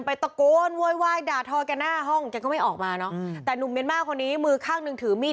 ตะโกนโวยวายด่าทอแกหน้าห้องแกก็ไม่ออกมาเนอะแต่หนุ่มเมียนมาร์คนนี้มือข้างหนึ่งถือมีด